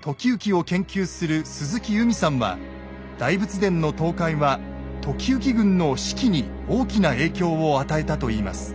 時行を研究する鈴木由美さんは大仏殿の倒壊は時行軍の士気に大きな影響を与えたといいます。